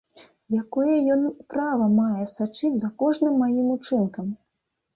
Якое ён права мае сачыць за кожным маім учынкам?